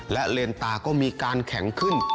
และเลนตาก็มีการแข็งขึ้น